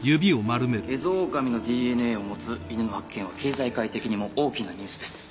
エゾオオカミのＤＮＡを持つ犬の発見は経済界的にも大きなニュースです。